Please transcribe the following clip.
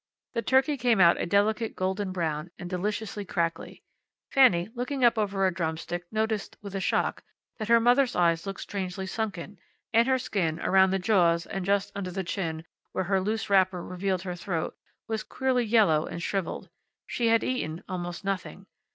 The turkey came out a delicate golden brown, and deliciously crackly. Fanny, looking up over a drumstick, noticed, with a shock, that her mother's eyes looked strangely sunken, and her skin, around the jaws and just under the chin, where her loose wrapper revealed her throat, was queerly yellow and shriveled. She had eaten almost nothing.